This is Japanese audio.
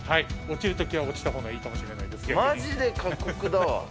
落ちるときは落ちたほうがいいかもしれないです。